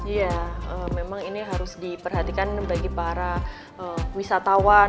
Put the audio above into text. ya memang ini harus diperhatikan bagi para wisatawan